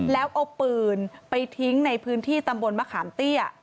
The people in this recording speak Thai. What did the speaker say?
แล้วเอาปืนไปทิ้งในพื้นที่ตำบลมะขามเตี้ย